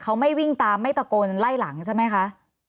เขาไม่วิ่งตามไม่ตะโกนไล่หลังใช่ไหมคะ